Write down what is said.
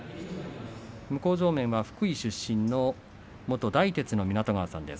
向正面は福井出身の元大徹の湊川さんです。